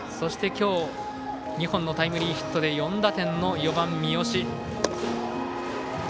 今日２本のタイムリーヒットで４打点の４番、三好。